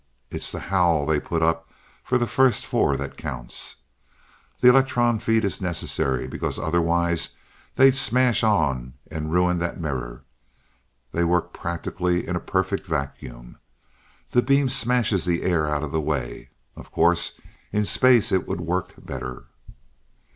It's the howl they put up for the first four that counts. The electron feed is necessary, because otherwise they'd smash on and ruin that mirror. They work practically in a perfect vacuum. That beam smashes the air out of the way. Of course, in space it would work better."